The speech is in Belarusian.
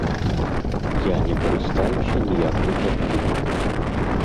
Я не карыстаюся ніякай парфумай.